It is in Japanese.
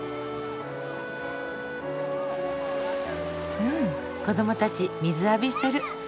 うん子どもたち水浴びしてる。